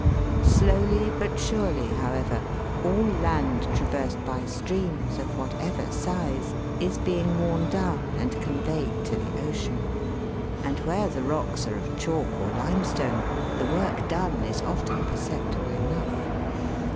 Slowly, but surely, however, all land traversed by streams, of whatever size, is being worn down and con veyed to the ocean ; and where the rocks are of chalk or limestone, the work done is often perceptible enough.